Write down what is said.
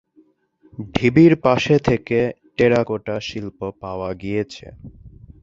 ঢিবির পাশে থেকে টেরাকোটা শিল্প পাওয়া গিয়েছে।